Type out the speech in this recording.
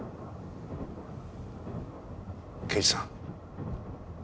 刑事さん